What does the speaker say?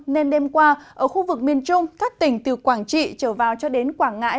nên đêm qua ở khu vực miền trung các tỉnh từ quảng trị trở vào cho đến quảng ngãi